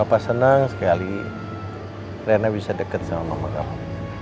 apa senang sekali rena bisa deket sama mama